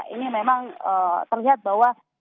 ini memang terlihat bahwa